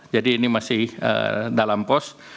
jadi ini masih dalam pos